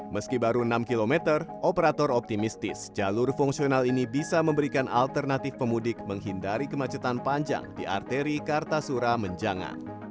meski baru enam km operator optimistis jalur fungsional ini bisa memberikan alternatif pemudik menghindari kemacetan panjang di arteri kartasura menjangan